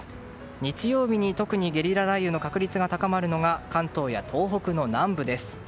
日曜日に特にゲリラ雷雨の確率が高まるのが関東や東北の南部です。